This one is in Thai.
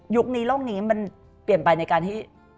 นี้โลกนี้มันเปลี่ยนไปในการที่